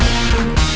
kalian ada masalah